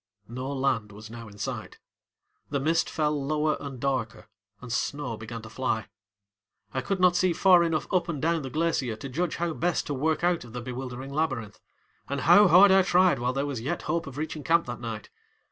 No land was now in sight. The mist fell lower and darker and snow began to fly. I could not see far enough up and down the glacier to judge how best to work out of the bewildering labyrinth, and how hard I tried while there was yet hope of reaching camp that night!